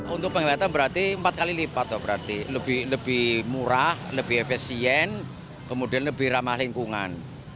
untuk pengobatan berarti empat kali lipat berarti lebih murah lebih efisien kemudian lebih ramah lingkungan